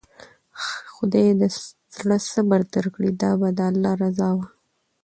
خداى د زړه صبر درکړي، دا به د الله رضا وه.